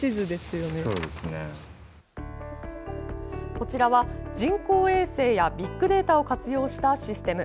こちらは人工衛星やビッグデータを活用したシステム。